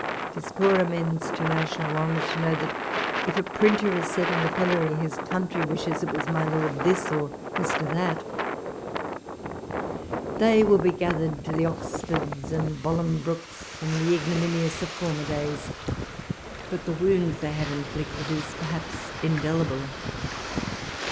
'Tis poor amends to national honour to know, that if a printer is set in the pillorv, his countrv wishes it was my Lord This, or :\*[r.'That. They will be D*— 27 106 walpole's letters. gathered to the Oxfords, and Bolingbrokes, and ignominious of former days ; but the wound they have inflicted is perhaps indelible.